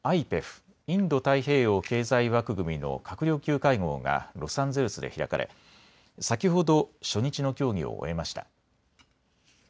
・インド太平洋経済枠組みの閣僚級会合がロサンゼルスで開かれ先ほど初日の協議を終えました。